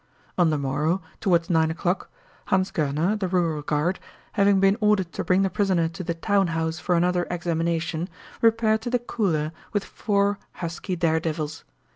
On the morrow, toward nine o'clock, Hans Goerner, the rural guard, having been ordered to bring the prisoner to the town house for another examination, repaired to the cooler with four husky daredevils.